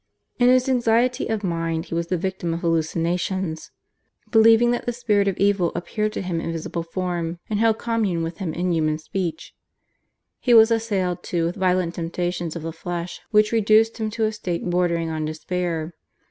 In his anxiety of mind he was the victim of hallucinations, believing that the spirit of evil appeared to him in visible form, and held commune with him in human speech. He was assailed, too, with violent temptations of the flesh, which reduced him to a state bordering on despair.